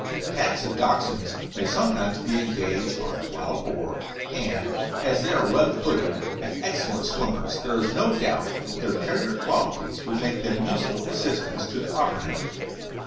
Packs of Dachshunds may sometimes be engaged on wild boar, and, as they are web footed and excellent swimmers, there is no doubt that their terrier qualities would make them useful assistants to the Otterhound.